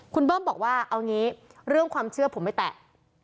คุณเบิ้มบอกว่าเอางี้เรื่องความเชื่อผมไม่แตะ